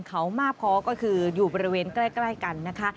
เขามาบคอก็คืออยู่บริเวณใกล้กันนะคะ